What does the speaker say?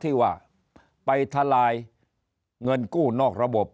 ที่ว่าไปทลายเงินกู้นอกระบบ